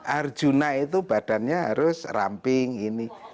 arjuna itu badannya harus ramping ini